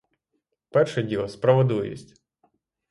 Перше діло — справедливість!